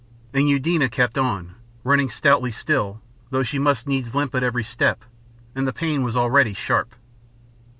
And Eudena kept on, running stoutly still, though she must needs limp at every step, and the pain was already sharp.